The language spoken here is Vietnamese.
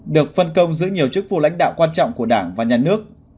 được phân công giữ nhiều chức vụ lãnh đạo quan trọng của đảng và nhà nước